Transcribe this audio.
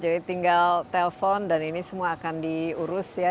jadi tinggal telpon dan ini semua akan diurus ya